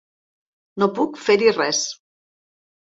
No puc fer-hi res.